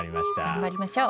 頑張りましょう。